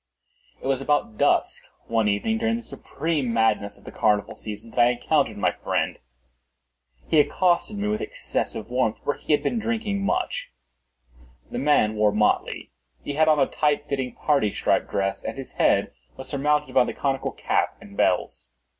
It was about dusk, one evening during the supreme madness of the carnival season, that I encountered my friend. He accosted me with excessive warmth, for he had been drinking much. The man wore motley. He had on a tight fitting parti striped dress, and his head was surmounted by the conical cap and bells.